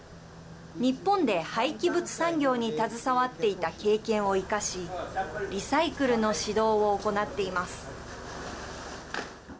日本で廃棄物産業に携わっていた経験を生かしリサイクルの指導を行っています。